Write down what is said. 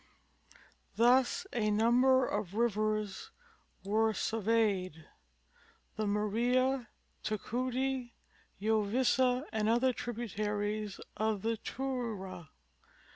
Thus a number of rivers were surveyed — the Maria, Tucuti, Yovisa and other tributaries of the Tuyra.